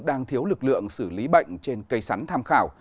đang thiếu lực lượng xử lý bệnh trên cây sắn tham khảo